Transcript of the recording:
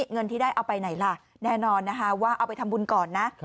เงินที่ได้เอาไปไหนล่ะแน่นอนนะคะว่าเอาไปทำบุญก่อนนะ